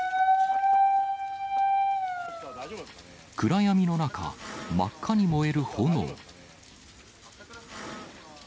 暗闇の中、真っ赤に燃える炎。